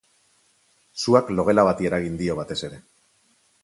Suak logela bati eragin dio batez ere.